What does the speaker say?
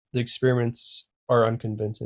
The experiments are unconvincing.